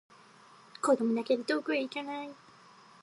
子供だけで遠くへいかない